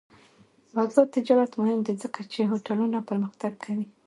آزاد تجارت مهم دی ځکه چې هوټلونه پرمختګ کوي.